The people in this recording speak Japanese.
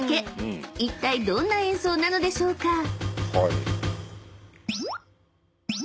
［いったいどんな演奏なのでしょうか？］